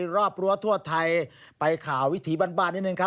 รอบรั้วทั่วไทยไปข่าววิถีบ้านนิดนึงครับ